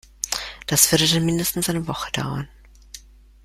Das würde dann mindestens eine Woche dauern.